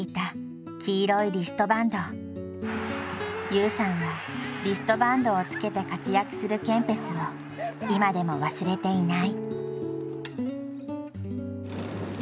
優さんはリストバンドをつけて活躍するケンペスを今でも忘れていない。